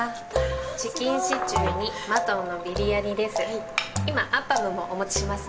チキン・シチューにマトンのビリヤニです。